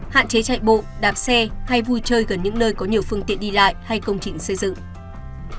hạn chế chạy bộ đạp xe hay vui chơi gần những nơi có nhiều phương tiện đi lại hay công trình xây dựng